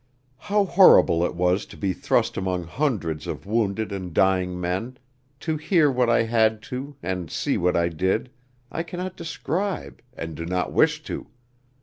How horrible it was to be thrust among hundreds of wounded and dying men; to hear what I had to, and see what I did, I cannot describe and do not wish to.